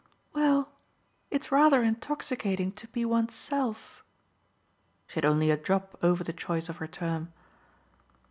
"Well, it's rather intoxicating to be one's self !" She had only a drop over the choice of her term.